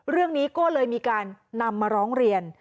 เรื่องนี้ก็เลยมีการนำมาร้องเรียน